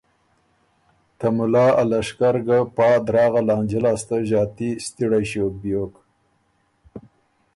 ته مُلا ا لشکر ګۀ پا دراغه لانجۀ لاسته ݫاتي ستِړئ ݭیوک بیوک،